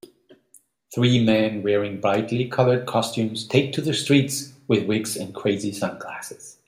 Three men wearing brightly colored costumes take to the streets with wigs and crazy sunglasses.